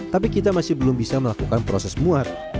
tapi kita masih belum bisa melakukan proses muat